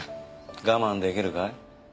我慢出来るかい？